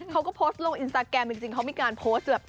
เขาก็โพสต์ลงอินสตาแกรมจริงเขามีการโพสต์แบบ